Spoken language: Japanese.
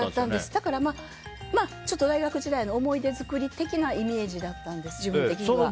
だから、大学時代の思い出作り的なイメージだったんです。